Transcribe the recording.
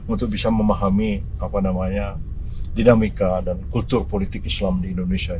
untuk bisa memahami dinamika dan kultur politik islam di indonesia